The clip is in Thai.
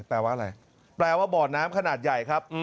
แปลว่าบ่อน้ำขนาดใหญ่ครับ